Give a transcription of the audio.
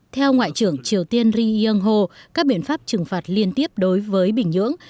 theo ngoại trưởng triều tiên ri yong ho các biện pháp trừng phạt liên tiếp đối với bình nhưỡng